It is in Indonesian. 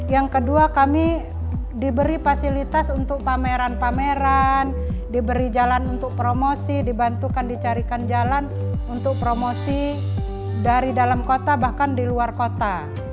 yang kedua kami diberi fasilitas untuk pameran pameran diberi jalan untuk promosi dibantukan dicarikan jalan untuk promosi dari dalam kota bahkan di luar kota